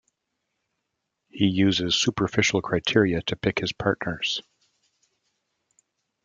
He uses superficial criteria to pick his partners.